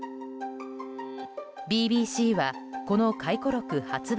ＢＢＣは、この回顧録発売